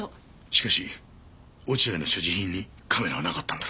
しかし落合の所持品にカメラはなかったんだろ？